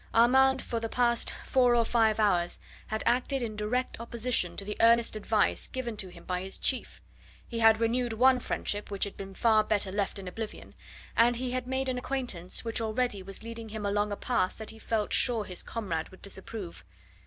Armand for the past four or five hours had acted in direct opposition to the earnest advice given to him by his chief; he had renewed one friendship which had been far better left in oblivion, and he had made an acquaintance which already was leading him along a path that he felt sure his comrade would disapprove.